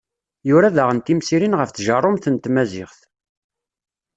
Yura daɣen timsirin ɣef tjerrumt n tmaziɣt.